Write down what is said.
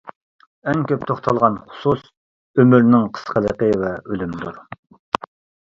ئەڭ كۆپ توختالغان خۇسۇس ئۆمۈرنىڭ قىسقىلىقى ۋە ئۆلۈمدۇر.